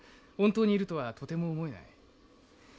本当にいるとはとても思えない。